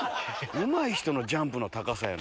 うまい人のジャンプの高さやのよ。